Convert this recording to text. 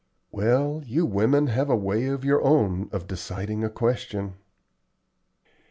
"Well, you women have a way of your own of deciding a question."